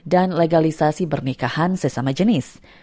dan legalisasi pernikahan sesama jenis